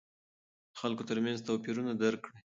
د خلکو ترمنځ توپیرونه درک کړئ.